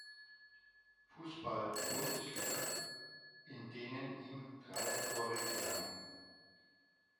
Fußball-Bundesliga, in denen ihm drei Tore gelangen.